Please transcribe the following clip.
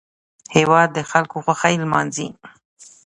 هېواد د خلکو خوښۍ لمانځي